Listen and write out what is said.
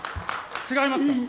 違いますか。